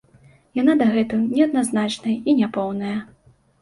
Яна дагэтуль неадназначная і няпоўная.